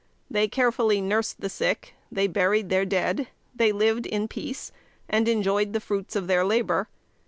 They carefully nursed the sick; they buried their dead; they lived in peace, and enjoyed the fruits of their labor.